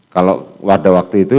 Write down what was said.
kalau pada waktu itu